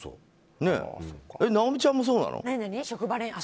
尚美ちゃんもそうなの？